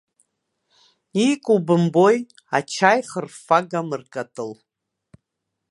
Иику бымбои, ачаи хырффага мыркатыл.